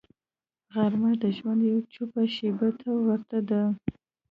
غرمه د ژوند یوې چوپې شیبې ته ورته ده